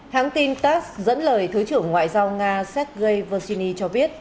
hãng tin tass dẫn lời thứ trưởng ngoại giao nga sergei voshiny cho biết